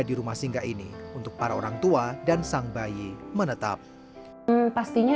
di rumah singgah ini untuk para orang tua dan sang bayi menetap pastinya